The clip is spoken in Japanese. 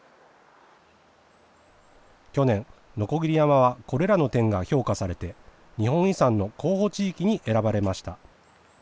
去年、鋸山は、これらの点が評価されて、日本遺産の候補地域に選ばれました。